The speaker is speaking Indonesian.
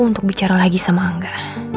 untuk bicara lagi sama angga